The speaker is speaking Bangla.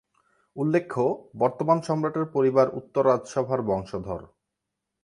উল্লেখ্য, বর্তমান সম্রাটের পরিবার উত্তর রাজসভার বংশধর।